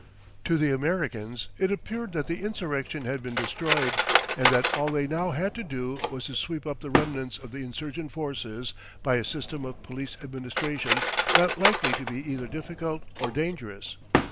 To the Americans it appeared that the insurrection had been destroyed, and that all they now had to do was to sweep up the remnants of the insurgent forces by a system of police administration not likely to be either difficult or dangerous.